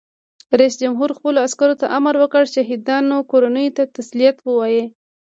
رئیس جمهور خپلو عسکرو ته امر وکړ؛ د شهیدانو کورنیو ته تسلیت ووایئ!